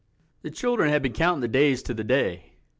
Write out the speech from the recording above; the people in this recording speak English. The children had been counting the days to The Day.